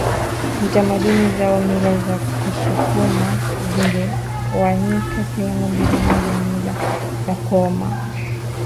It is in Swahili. na tamaduni zaoMila za wasukuma zimegawanyika sehemu mbili MojaMila za koo ama